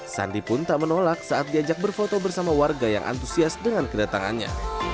sandi pun tak menolak saat diajak berfoto bersama warga yang antusias dengan kedatangannya